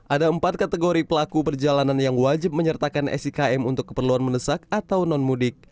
ada empat kategori pelaku perjalanan yang wajib menyertakan sikm untuk keperluan mendesak atau non mudik